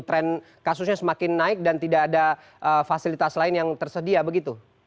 tren kasusnya semakin naik dan tidak ada fasilitas lain yang tersedia begitu